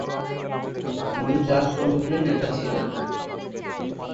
তিনি চা শ্রমিকদের নেতা ছিলেন।